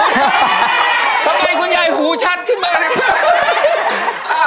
ทำไมคุณยายหูชัดขึ้นมานะ